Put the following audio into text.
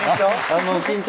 緊張？